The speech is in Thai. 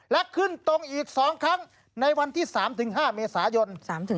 และขึ้นตรงอีก๒ครั้งในวันที่๓๕เมษายน